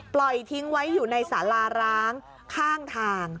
ปล่อยทิ้งไว้อยู่ในสาราร้างข้างทาง